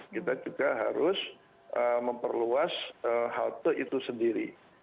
kita juga harus memperluas halte itu sendiri